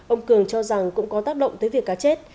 ông cường cho rằng cũng có tác động tới việc cá chết